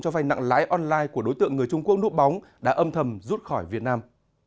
cho vai nặng lãi online của đối tượng người trung quốc núp bóng đã âm thầm rút khỏi việt nam